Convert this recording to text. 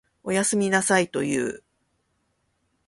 おやすみなさいと言う。